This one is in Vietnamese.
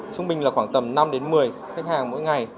trung bình là khoảng tầm năm đến một mươi khách hàng mỗi ngày